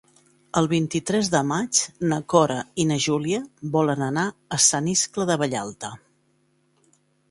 El vint-i-tres de maig na Cora i na Júlia volen anar a Sant Iscle de Vallalta.